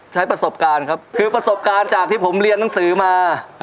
ใช้ประสบการณ์ครับคือประสบการณ์จากที่ผมเรียนหนังสือมา